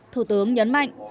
thủ tướng nhấn mạnh